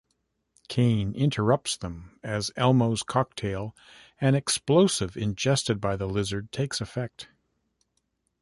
Kane interrupts them as Elmo's cocktail, an explosive ingested by the Lizard, takes effect.